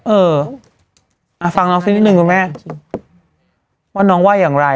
เออฟังนางสินิดนึงคุณแม่ว่านางว่าอย่างไร